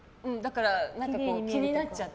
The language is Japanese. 気になっちゃって。